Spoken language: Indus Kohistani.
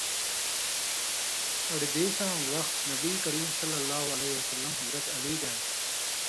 اڑدېساں وخت نبی کریم ﷺ، حضرت علیؓ گائ